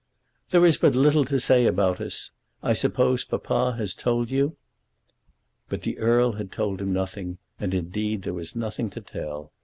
"There is but little to say about us. I suppose Papa has told you?" But the Earl had told him nothing, and indeed, there was nothing to tell.